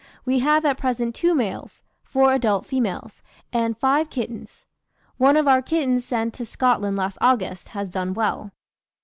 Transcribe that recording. We have at present two males, four adult females, and five kittens." One of our kittens sent to Scotland last August, has done well.